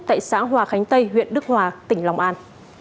tại xã hòa khánh tây huyện đức hòa tỉnh long an